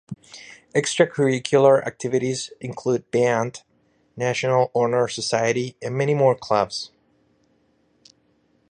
Extracurricular activities include band, National Honor Society, and many more clubs.